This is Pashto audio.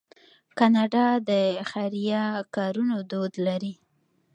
کاناډا د خیریه کارونو دود لري.